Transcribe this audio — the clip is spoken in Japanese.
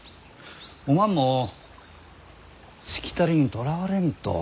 おまんもしきたりにとらわれんと。